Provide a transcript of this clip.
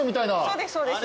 そうですそうです。